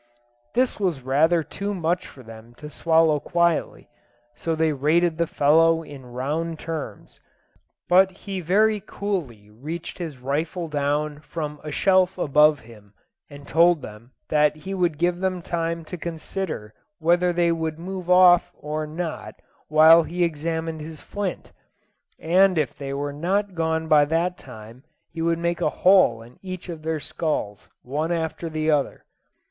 This was rather too much for them to swallow quietly, so they rated the fellow in round terms; but he very coolly reached his rifle down from a shelf above him, and told them that he would give them time to consider whether they would move off or not while he examined his flint, and if they were not gone by that time, he would make a hole in each of their skulls, one after the other.